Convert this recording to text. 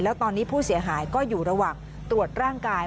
แล้วตอนนี้ผู้เสียหายก็อยู่ระหว่างตรวจร่างกาย